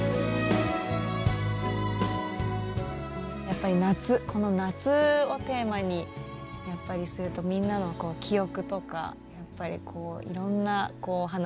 やっぱり夏この夏をテーマにやっぱりするとみんなの記憶とかやっぱりこういろんなこう話に花が咲いて。